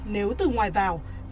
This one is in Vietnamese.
nếu từ ngoài vào phải cố gắng